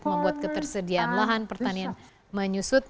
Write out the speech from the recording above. membuat ketersediaan lahan pertanian menyusut